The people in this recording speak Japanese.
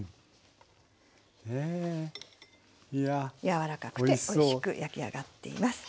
柔らかくておいしく焼き上がっています。